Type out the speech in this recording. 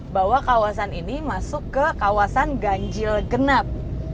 bahwa kawasan ini masuk ke kawasan ganjil genap